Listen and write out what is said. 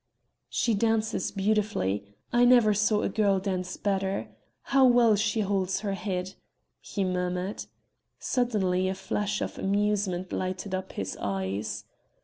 "She dances beautifully, I never saw a girl dance better. How well she holds her head," he murmured. Suddenly a flash of amusement lighted up his eyes.